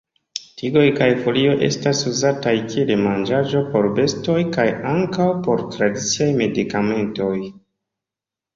Tigoj kaj folio estas uzataj kiel manĝaĵo por bestoj kaj ankaŭ por tradiciaj medikamentoj.